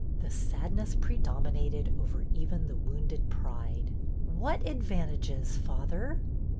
The sadness pre dominated over even the wounded pride. '' What advantages, father?